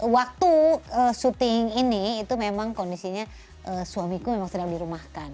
waktu syuting ini itu memang kondisinya suamiku memang sedang dirumahkan